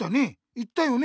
言ったよね？